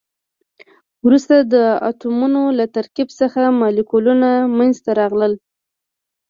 وروسته د اتمونو له ترکیب څخه مالیکولونه منځ ته راغلل.